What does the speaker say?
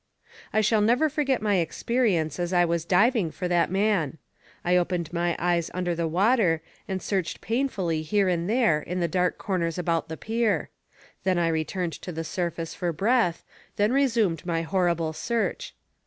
I shall never forget my experience as I was diving for that man. I opened my eyes under the water and searched painfully here and there in the dark corners about the pier; then I returned to the surface for breath, then resumed my horrible search.